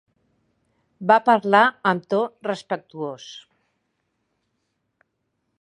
Va parlar amb to respectuós.